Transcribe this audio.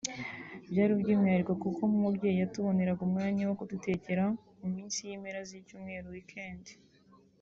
Byari iby’umwihariko kuko nk’umubyeyi yatuboneraga umwanya wo kudutekera mu minsi y’impera z’icyumweru (Weekend)